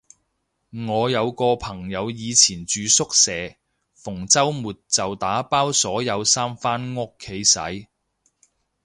我有個朋友以前住宿舍，逢周末就打包所有衫返屋企洗